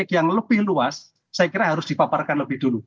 yang lebih luas saya kira harus dipaparkan lebih dulu